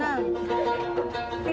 cuma dengar dengar gitu